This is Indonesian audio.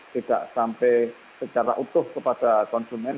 tidak sampai secara utuh kepada konsumen